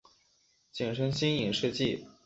简称新影世纪。